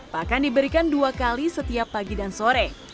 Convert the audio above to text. pakan diberikan dua kali setiap pagi dan sore